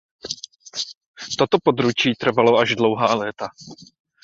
Toto područí trvalo až dlouhá léta.